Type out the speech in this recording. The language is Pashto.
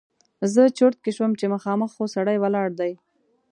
زه چرت کې شوم چې مخامخ خو سړی ولاړ دی!